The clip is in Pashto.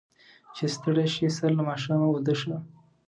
چې ستړي شي، سر له ماښامه اوده شي.